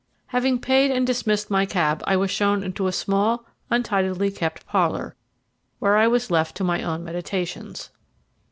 Having paid and dismissed my cab, I was shown into a small, untidily kept parlour, where I was left to my own meditations.